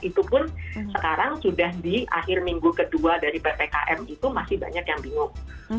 itu pun sekarang sudah di akhir minggu kedua dari ppkm itu masih banyak yang bingung